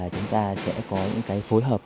chúng ta sẽ có những cái phối hợp